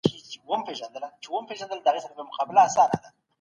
سردرد د ستړیا او خوب کمښت سره تړلی دی.